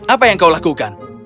apa yang kau lakukan